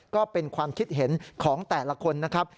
ก็เป็นความคิดเห็นของแต่ละคนนะครับ